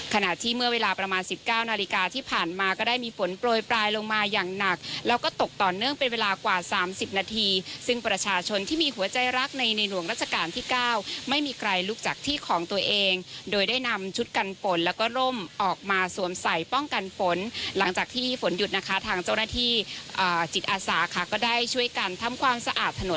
ขณะที่เมื่อเวลาประมาณสิบเก้านาฬิกาที่ผ่านมาก็ได้มีฝนโปรยปลายลงมาอย่างหนักแล้วก็ตกต่อเนื่องเป็นเวลากว่าสามสิบนาทีซึ่งประชาชนที่มีหัวใจรักในในหลวงราชการที่เก้าไม่มีใครลุกจากที่ของตัวเองโดยได้นำชุดกันฝนแล้วก็ร่มออกมาสวมใส่ป้องกันฝนหลังจากที่ฝนหยุดนะคะทางเจ้าหน้